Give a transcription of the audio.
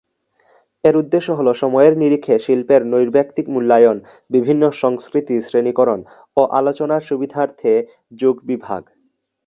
এর উদ্দেশ্য হল সময়ের নিরিখে শিল্পের নৈর্ব্যক্তিক মূল্যায়ন, বিভিন্ন সংস্কৃতির শ্রেণীকরণ ও আলোচনার সুবিধার্থে যুগ বিভাগ।